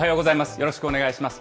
よろしくお願いします。